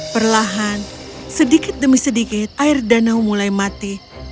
perlahan sedikit demi sedikit air danau mulai mati